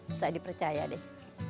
bisa dipercaya deh